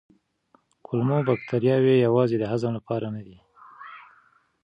کولمو بکتریاوې یوازې د هضم لپاره نه دي.